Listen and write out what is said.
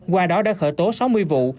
qua đó đã khởi tố sáu mươi vụ